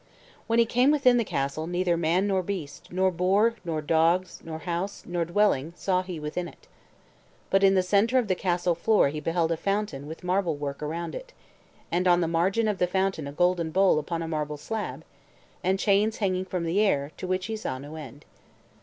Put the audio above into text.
When he came within the castle, neither man nor beast, nor boar, nor dogs, nor house, nor dwelling, saw he within it. But in the centre of the castle floor he beheld a fountain with marble work around it, and on the margin of the fountain a golden bowl upon a marble slab, and chains hanging from the air, to which he saw no end.